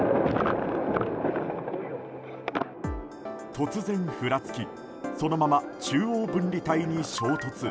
突然ふらつき、そのまま中央分離帯に衝突。